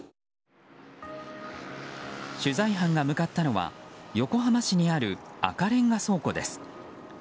取材班が向かったのは横浜市にある赤レンガ倉庫です。